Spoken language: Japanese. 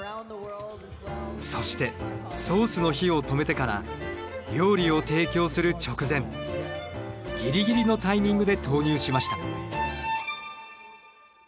そしてソースの火を止めてから料理を提供する直前ギリギリのタイミングで投入しました。